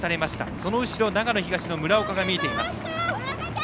その後ろ、長野東の村岡が見えています。